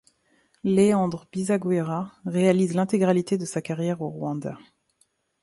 Léandre Bizagwira réalise l'intégralité de sa carrière au Rwanda.